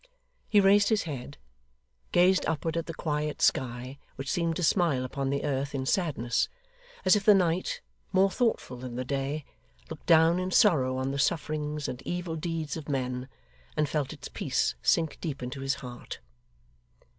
He raised his head; gazed upward at the quiet sky, which seemed to smile upon the earth in sadness, as if the night, more thoughtful than the day, looked down in sorrow on the sufferings and evil deeds of men; and felt its peace sink deep into his heart.